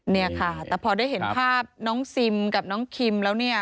เนี่ยค่ะแต่พอได้เห็นภาพน้องซิมกับน้องคิมแล้วเนี่ย